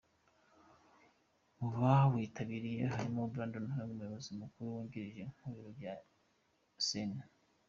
Mu bawitabiriye harimo Brandon Herget, Umuyobozi mukuru wungirije mu biro bya Sen.